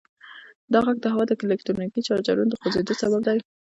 دا غږ د هوا د الکتریکي چارجونو د خوځیدو سبب دی.